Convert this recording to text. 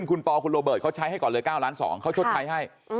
คุณปอคุณโรเบิร์ตเขาใช้ให้ก่อนเลย๙ล้าน๒เขาชดใช้ให้